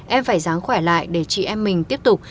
em phải dáng khỏe lại để chị em mình tiếp tục